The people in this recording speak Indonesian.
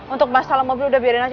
untuk masalah mobil udah biarin aja